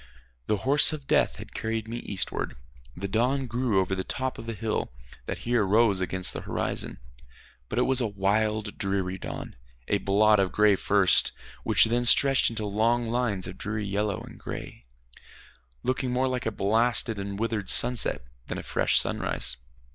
The horse of death had carried me eastward. The dawn grew over the top of a hill that here rose against the horizon. But it was a wild dreary dawn a blot of gray first, which then stretched into long lines of dreary yellow and gray, looking more like a blasted and withered sunset than a fresh sunrise.